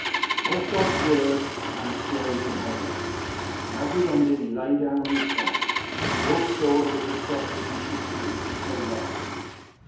Osgod's words came slowly and heavily, and as he ended he lay down on his back. Wulf saw that it was best that he should sleep, and so left him.